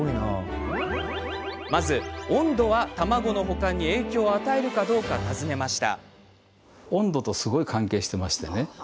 まず温度は卵の保管に影響を与えるかどうかについて尋ねました。